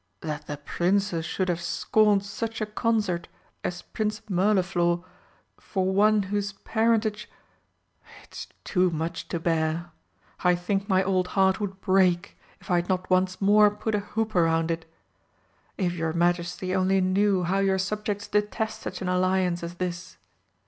"That the Princess should have scorned such a consort as Prince Mirliflor for one whose parentage it's too much to bear! I think my old heart would break if I had not once more put a hoop around it. If your Majesty only knew how your subjects detest such an alliance as this!"